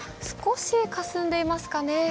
少し霞んでいますかね。